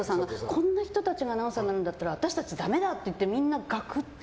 こんな人たちがアナウンサーになるんだったら私たちダメだってみんなガクって。